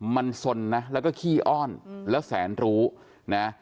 มันสนนะแล้วก็ขี้อ้อนแล้วแสนรู้นะ